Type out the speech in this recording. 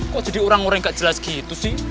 kok jadi orang orang gak jelas gitu sih